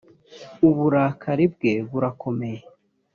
uburakari bwe burakomeye.